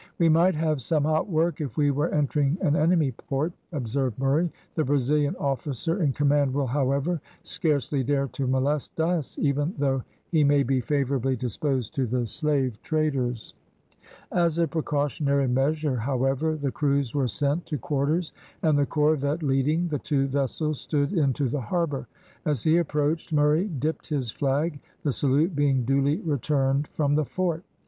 "We might have some hot work if we were entering an enemy port," observed Murray. "The Brazilian officer in command will, however, scarcely dare to molest us, even though he may be favourably disposed to the slave traders." As a precautionary measure, however, the crews were sent to quarters, and, the corvette leading, the two vessels stood into the harbour. As he approached, Murray dipped his flag, the salute being duly returned from the fort.